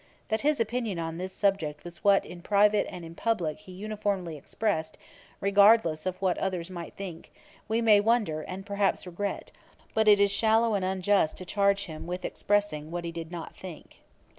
That his opinion on this subject was what in private and in publick he uniformly expressed, regardless of what others might think, we may wonder, and perhaps regret; but it is shallow and unjust to charge him with expressing what he did not think.